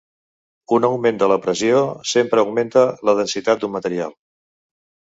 Un augment de la pressió sempre augmenta la densitat d'un material.